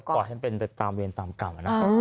สุดท้ายก็ปล่อยให้เป็นตามเวรตามเก่านะครับ